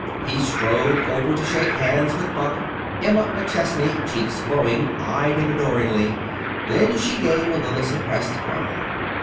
He strode over to shake hands with Buck. Emma McChesney, cheeks glowing, eyed him adoringly. Then she gave a little suppressed cry.